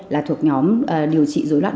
là thuộc nhóm điều trị dối loạn